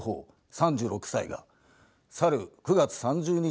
３６歳が去る９月３０日